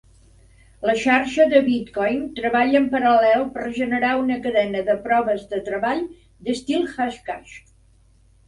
La xarxa de bitcoin treballa en paral·lel per generar una cadena de proves de treball d'estil Hashcash.